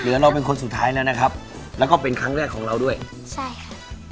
เราเป็นคนสุดท้ายแล้วนะครับแล้วก็เป็นครั้งแรกของเราด้วยใช่ค่ะ